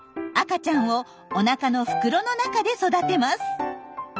赤ちゃんをおなかの袋の中で育てます。